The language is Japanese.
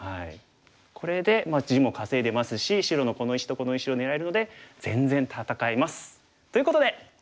これで地も稼いでますし白のこの石とこの石を狙えるので全然戦えます！ということで。